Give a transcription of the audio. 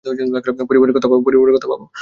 পরিবারের কথা ভাব।